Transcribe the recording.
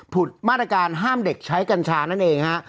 ุดมาตรการห้ามเด็กใช้กัญชานั่นเองฮะ